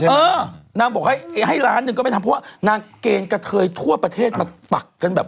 เออนางบอกให้ไอ้ให้ล้านหนึ่งก็ไม่ทำเพราะว่านางเกณฑ์กระเทยทั่วประเทศมาปักกันแบบ